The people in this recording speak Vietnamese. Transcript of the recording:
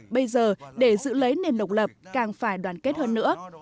bây giờ để giữ lấy nền độc lập càng phải đoàn kết hơn nữa